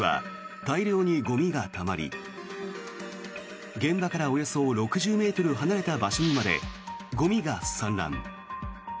道路の側溝には大量にゴミがたまり現場からおよそ６０ｍ離れた場所にまでゴミが散乱。